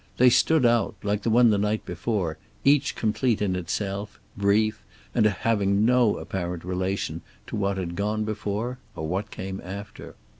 They stood out, like the one the night before, each complete in itself, brief, and having no apparent relation to what had gone before or what came after.